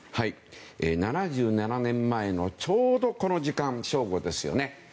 ７７年前のちょうどこの時間、正午ですよね。